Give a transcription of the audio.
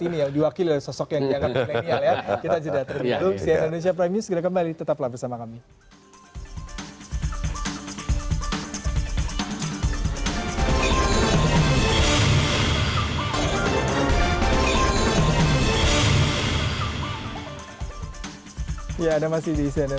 nah persepsi yang